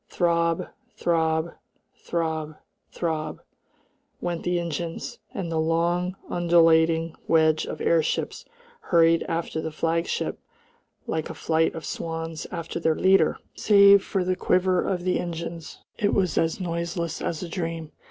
Throb, throb, throb, throb, went the engines, and the long, undulating wedge of airships hurried after the flagship like a flight of swans after their leader. Save for the quiver of the engines it was as noiseless as a dream.